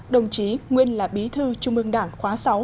đồng chí nguyên là bí thư trung ương đảng khóa sáu